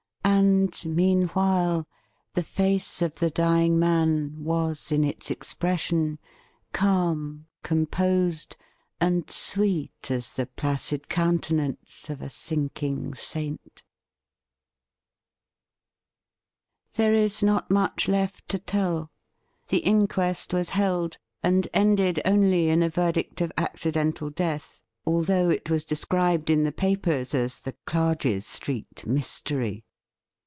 And, meanwhile, the face of the dying man was, in its expression, calm, composed, and sweet as the placid countenance of a sinking saint. THE RING RETURNED 317 There is not much left to tell. The inquest was held, and ended only in a verdict of ' Accidental death,' although it was described in the papers as 'The Clarges Street Mystery.'